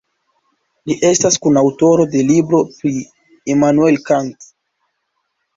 Li estas kunaŭtoro de libro pri Immanuel Kant.